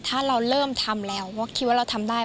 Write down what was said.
ถ้าเราเริ่มทำแล้วเพราะคิดว่าเราทำได้